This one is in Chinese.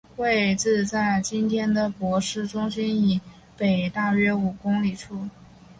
位置在今天的珀斯中心以北大约五公里处。